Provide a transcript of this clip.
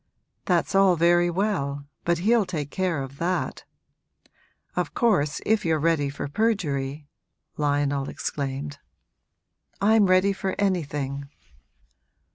'That's all very well, but he'll take care of that. Of course if you're ready for perjury !' Lionel exclaimed. 'I'm ready for anything.'